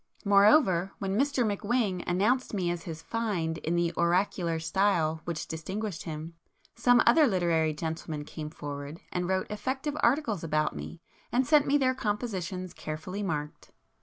Moreover, when [p 182] Mr McWhing announced me as his 'find' in the oracular style which distinguished him, some other literary gentlemen came forward and wrote effective articles about me, and sent me their compositions carefully marked.